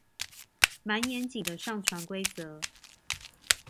滿嚴謹的上傳規則